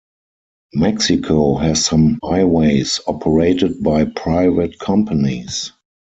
Mexico has some highways operated by private companies.